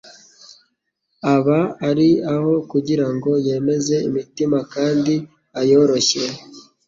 Aba ari aho kugira ngo yemeze imitima kandi ayoroshye.